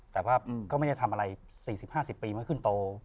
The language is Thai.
แต่ว่าก็ไม่ได้ทำอะไร๔๐๕๐ปีมันก็ขึ้นโต